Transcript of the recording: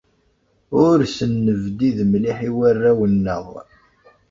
Ur asen-nebdid mliḥ i warraw-nneɣ.